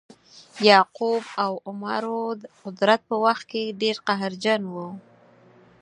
یعقوب او عمرو د قدرت په وخت کې ډیر قهرجن وه.